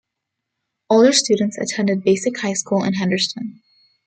Older students attended Basic High School in Henderson.